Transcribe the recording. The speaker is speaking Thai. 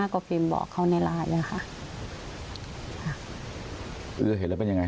ก็พิมพ์บอกเขาในไลน์เลยค่ะค่ะคือเห็นแล้วเป็นยังไง